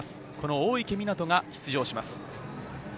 大池水杜が出場します。